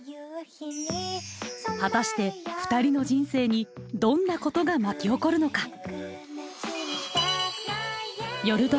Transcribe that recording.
果たしてふたりの人生にどんなことが巻き起こるのか！